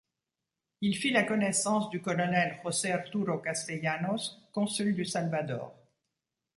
Il y fit la connaissance du colonel José Arturo Castellanos, consul du Salvador.